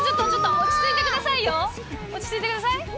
落ち着いてください。